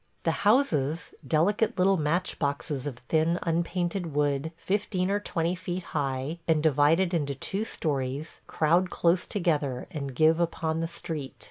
... The houses, delicate little match boxes of thin, unpainted wood, fifteen or twenty feet high, and divided into two stories, crowd close together, and give upon the street.